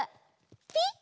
ピッ！